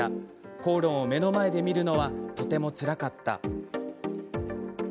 口論を目の前で見るのはとてもつらかった。